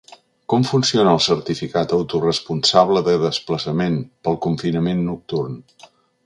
Com funciona el certificat autoresponsable de desplaçament pel confinament nocturn?